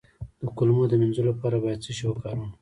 د کولمو د مینځلو لپاره باید څه شی وکاروم؟